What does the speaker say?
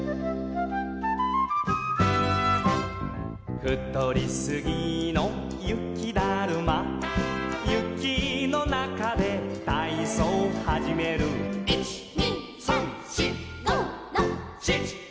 「ふとりすぎの雪ダルマ」「雪のなかでたいそうはじめる」「１２３４５６７８」